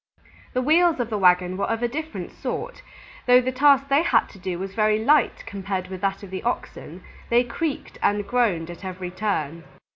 The Wheels of the wagon were of a different sort. Though the task they had to do was very light compared with that of the Oxen, they creaked and groaned at every turn.